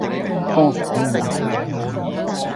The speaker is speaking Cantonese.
波濤洶湧